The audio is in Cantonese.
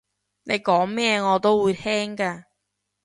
你講咩我都會聽㗎